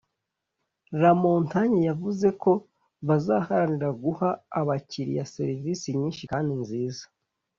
Lamontagne yavuze ko bazaharanira guha abakiriya serivisi nyinshi kandi nziza